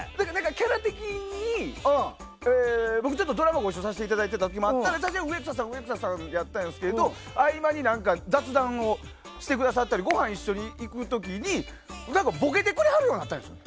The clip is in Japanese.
キャラ的に僕、ドラマをご一緒させていただいた時があって植草さんってやってたんですけど合間に雑談してくださったりごはん一緒に行く時にボケてくれはるようになったんです